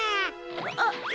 あっ。